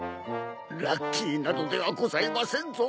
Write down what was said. ラッキーなどではございませんぞ。